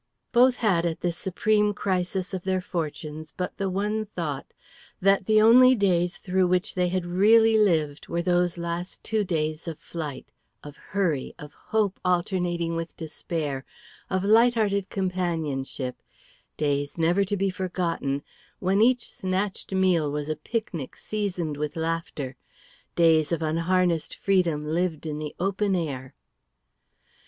Both had at this supreme crisis of their fortunes but the one thought, that the only days through which they had really lived were those last two days of flight, of hurry, of hope alternating with despair, of light hearted companionship, days never to be forgotten, when each snatched meal was a picnic seasoned with laughter, days of unharnessed freedom lived in the open air.